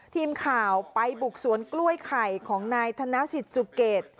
ทีมข่าวไปบุกสวนกล้วยไข่ของไหน่ทนาสิทซุเกต